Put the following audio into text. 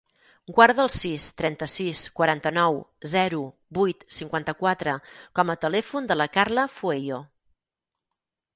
Guarda el sis, trenta-sis, quaranta-nou, zero, vuit, cinquanta-quatre com a telèfon de la Carla Fueyo.